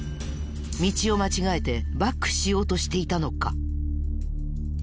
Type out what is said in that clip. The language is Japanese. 道を間違えてバックしようとしていたのか？